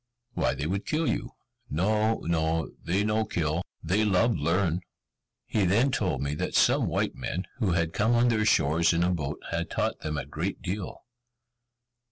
"Why, they would kill you!" "No, no, they no kill; they love learn." He then told me that some white men, who had come on their shores in a boat, had taught them a great deal.